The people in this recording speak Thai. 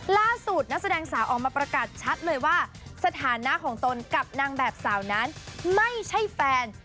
ล่าสุดนักแสดงสาวออกมาประกาศชัดเลยว่าสถานะของตนกับนางแบบสาวนั้นไม่ใช่แฟน